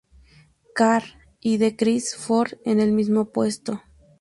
Carr y de Chris Ford en el mismo puesto.